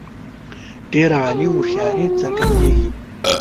ډېره عالي هوښیاري څرګندیږي.